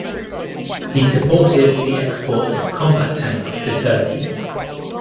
He supported the export of combat tanks to Turkey.